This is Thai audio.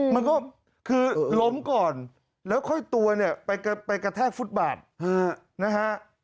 มันก็คือล้มก่อนแล้วค่อยตัวเนี่ยไปกระแทกฟุตบาทนะฮะ